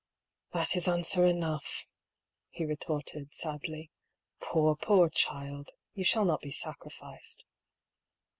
" That is answer enough !" he retorted sadly. " Poor, poor child ! You shall not be sacrificed."